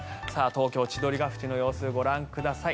東京・千鳥ヶ淵の様子ご覧ください。